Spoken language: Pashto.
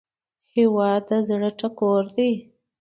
هیواد د زړه ټکور دی